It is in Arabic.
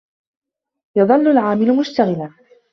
يَظَلُّ الْعَامِلُ مُشْتَغِلًا.